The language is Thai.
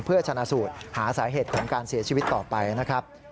เพื่อชนะสูตรหาสาเหตุของการเสียชีวิตต่อไปนะครับ